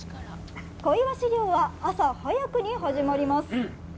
小イワシ漁は、朝早くに始まります。